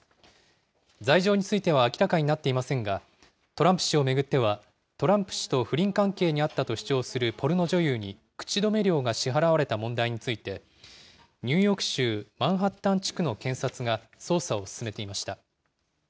罪状については明らかになっていませんが、トランプ氏を巡っては、トランプ氏と不倫関係にあったと主張するポルノ女優に口止め料が支払われた問題について、ニューヨーク州マンハッタン地区の検察が捜査を進めていました。